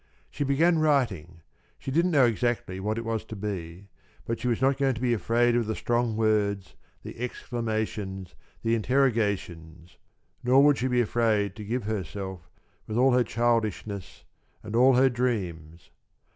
She began writing she didn't know exactly what it was to be but she was not going to be afraid of the strong words, the exclamations, the interrogations, nor would she be afraid to give herself with all her childishness and all her dreams!